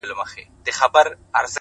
سیاه پوسي ده! رنگونه نسته!